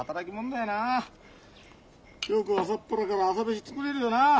よく朝っぱらから朝飯作れるよな。